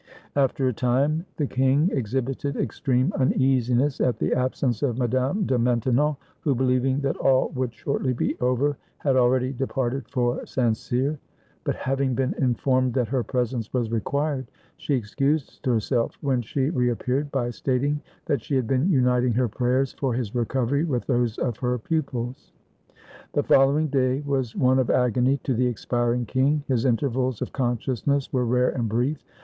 ' After a time, the king exhibited extreme uneasiness at the absence of Madame de Maintenon, who, believing that all would shortly be over, had already departed for St. Cyr; but having been informed that her presence was required, she excused herself when she reappeared by stating that she had been uniting her prayers for his recovery with those of her pupils. ... The following day was one of agony to the expiring king. His intervals of consciousness were rare and brief.